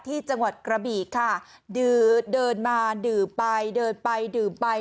จังหวัดกระบี่ค่ะดื่มเดินมาดื่มไปเดินไปดื่มไป